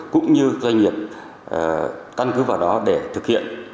cũng như doanh nghiệp căn cứ vào đó để thực hiện